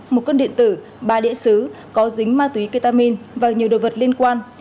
một cơn điện tử ba địa sứ có dính ma túy ketamin và nhiều đồ vật liên quan